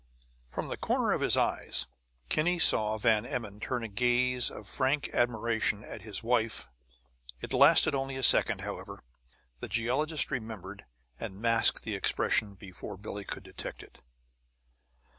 From the corner of his eyes Kinney saw Van Emmon turn a gaze of frank admiration at his wife. It lasted only a second, however; the geologist remembered, and masked the expression before Billie could detect it.